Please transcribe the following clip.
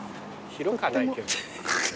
広かないけど。